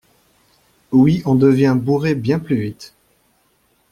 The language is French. Oui on devient bourré bien plus vite.